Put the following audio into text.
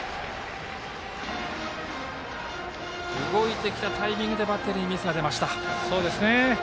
動いてきたタイミングでバッテリーにミスが出ました。